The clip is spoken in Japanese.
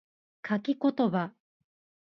書き言葉